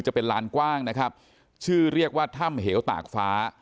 จะเป็นลานกว้างนะครับชื่อเรียกว่าถ้ำเหวตากฟ้า